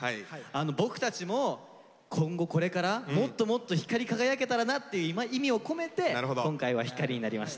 僕たちも今後これからもっともっと光り輝けたらなっていう意味を込めて今回は「ＨＩＫＡＲＩ」になりました。